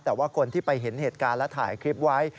แต่ว่าคนที่ไปเห็นเหตุการณ์และถ่ายคลิปไว้